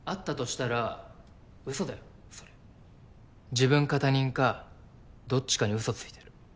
自分か他人かどっちかにうそついてる。